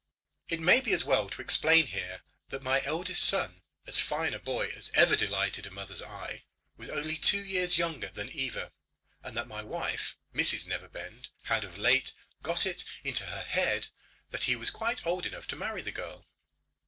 It may be as well to explain here that my own eldest son, as fine a boy as ever delighted a mother's eye, was only two years younger than Eva, and that my wife, Mrs Neverbend, had of late got it into her head that he was quite old enough to marry the girl.